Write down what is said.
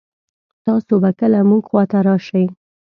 تاسو به کله مونږ خوا ته راشئ